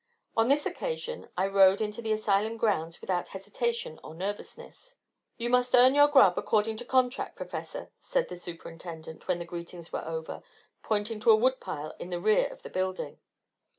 On this occasion I rode into the asylum grounds without hesitation or nervousness. "You must earn your grub, according to contract, Professor," said the Superintendent, when the greetings were over, pointing to a wood pile in the rear of the building.